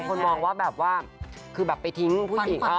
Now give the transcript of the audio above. คนมองว่าแบบว่าคือแบบไปทิ้งผู้หญิง